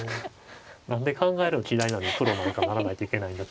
何で考えるの嫌いなのにプロなんかならないといけないんだってなりません？